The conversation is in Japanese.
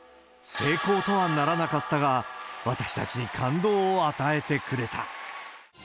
成功とはならなかったが、私たちに感動を与えてくれた。